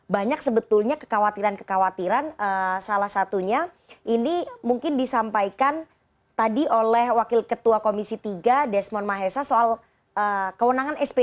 banyak sebetulnya kekhawatiran kekhawatiran salah satunya ini mungkin disampaikan tadi oleh wakil ketua komisi tiga desmond mahesa soal kewenangan sp tiga